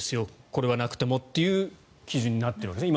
これはなくてもっていう基準になっているわけですね。